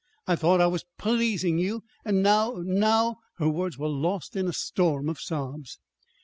I thought I was p pleasing you; and now now " Her words were lost in a storm of sobs.